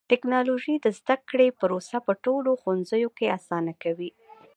ټکنالوژي د زده کړې پروسه په ټولو ښوونځيو کې آسانه کوي.